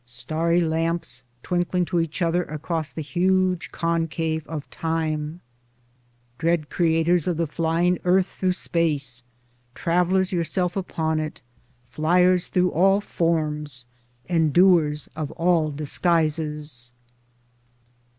Starry lamps twinkling to each other across the huge concave of Time ! Dread Creators of the flying earth through space ! Travelers yourselves upon it ! Fliers through all forms ! Enduers of all disguises